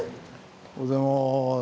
おはようございます。